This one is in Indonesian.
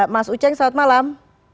mas uceng selamat malam